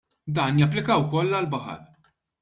Dan japplika wkoll għall-baħar.